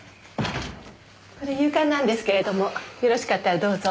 これ夕刊なんですけれどもよろしかったらどうぞ。